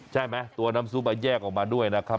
ใช่ไหมตัวน้ำซุปแยกออกมาด้วยนะครับ